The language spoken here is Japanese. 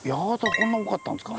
こんな多かったんですか。